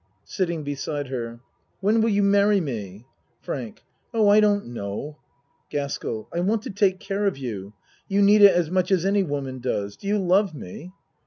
(Sitting beside her.) When will you marry me? FRANK Oh, I don't know. GASKELL I want to take care of you. You need it as much as any woman does. Do you love me?